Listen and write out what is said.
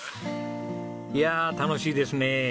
いやあ楽しいですねえ。